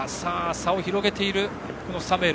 差を広げているサムエル。